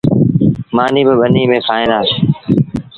مآݩيٚ با ٻنيٚ ميݩ کآُئيٚن دآ۔